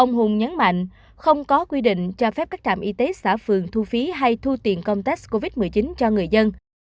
ông hùng nhấn mạnh không có quy định cho phép các trạm y tế xã phường thu phí hay thu tiền công test covid một mươi chín cho người dân